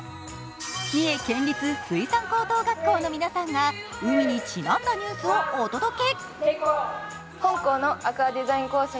三重水産高等学校の皆さんが海にちなんだニュースをお届け。